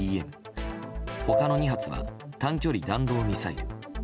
他の２発は短距離弾道ミサイル。